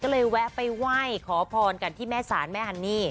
ก็เลยแวะไปไหว้ขอพรกันที่แม่ศาลแม่ฮันนี่